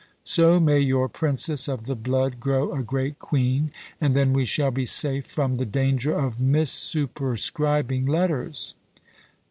So may your princess of the blood grow a great queen, and then we shall be safe from the danger of missuperscribing letters."